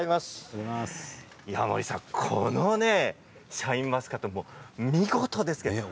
このシャインマスカット見事ですね。